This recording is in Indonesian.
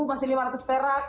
masih lima ratus perak